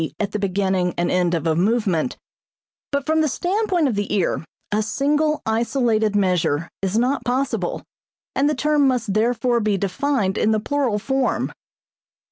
_, at the beginning and end of a movement); but from the standpoint of the ear a single, isolated measure is not possible, and the term must therefore be defined in the plural form.